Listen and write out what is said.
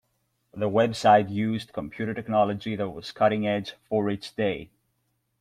The website used computer technology that was cutting edge for its day.